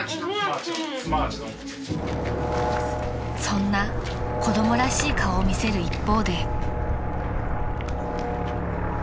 ［そんな子供らしい顔を見せる一方で］